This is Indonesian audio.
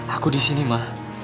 aku di sini ma